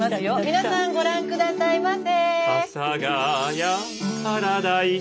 皆さんご覧下さいませ。